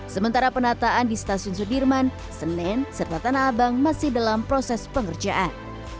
sementara penataan di stasiun sudirman senen serta tanah abang masih dalam proses pengerjaan